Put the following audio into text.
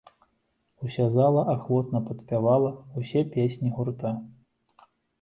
Уся зала ахвотна падпявала ўсе песні гурта.